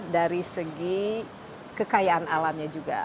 dari segi kekayaan alamnya juga